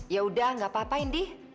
yaudah nggak apa apa indi